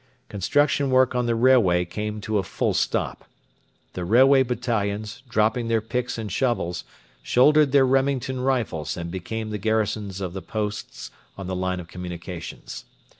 Construction work on the railway came to a full stop. The railway battalions, dropping their picks and shovels, shouldered their Remington rifles and became the garrisons of the posts on the line of communications.